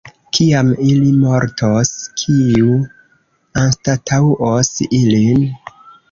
Kiam ili mortos, kiu anstataŭos ilin?